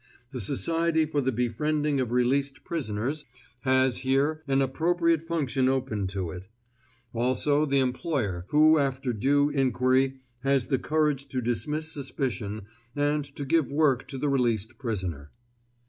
The Society for the Befriending of Released Prisoners has here an appropriate function open to it; also the employer who after due inquiry has the courage to dismiss suspicion and to give work to the released prisoner.